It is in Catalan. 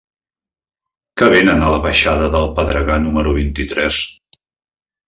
Què venen a la baixada del Pedregar número vint-i-tres?